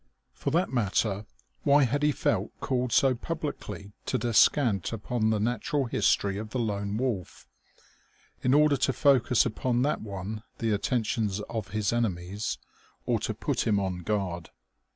For that matter, why had he felt called so publicly to descant upon the natural history of the Lone Wolf? In order to focus upon that one the attentions of his enemies? Or to put him on guard?